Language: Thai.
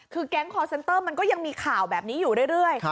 คือแก๊งคอร์เซนเตอร์มันก็ยังมีข่าวแบบนี้อยู่เรื่อย